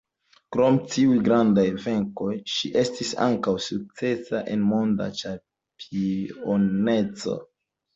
Krom tiuj grandaj venkoj ŝi estis ankaŭ sukcesa en Monda ĉampioneco.